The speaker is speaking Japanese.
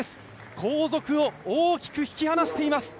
後続を大きく引き離しています。